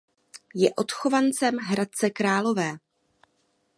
Je odchovancem Hradce Králové.